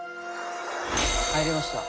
入りました。